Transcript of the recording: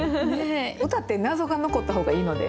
歌って謎が残った方がいいので。